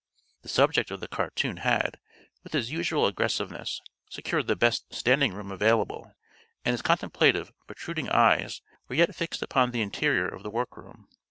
The subject of the cartoon had, with his usual aggressiveness, secured the best "standing room" available, and his contemplative, protruding eyes were yet fixed upon the interior of the workroom.